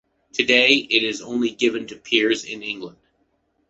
Today, it is only given to peers in England.